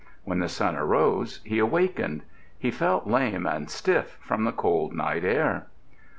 When the sun arose he awakened. He felt lame and stiff from the cold night air.